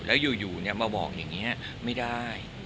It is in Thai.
แล้วอยู่มาบอกอย่างนี้ไม่ได้